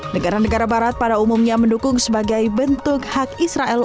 negara negara barat pada umumnya mendukung sebagai bentuk hak israel